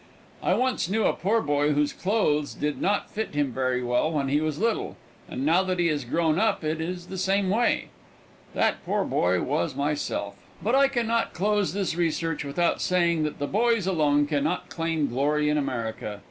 I once knew a poor boy whose clothes did not fit him very well when he was little, and now that he is grown up it is the same way. That poor boy was myself. But I can not close this research without saying that the boys alone can not claim the glory in America.